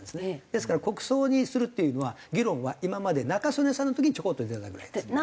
ですから国葬にするっていうのは議論は今まで中曽根さんの時にちょこっと出てたぐらいですね。